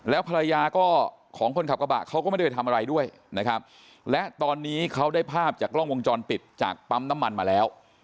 และตอนนี้เขาได้ภาพจากล่องวงจรปิดจากปั๊มน้ำมันมาแล้ว